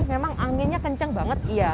memang anginnya kencang banget